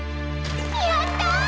やった！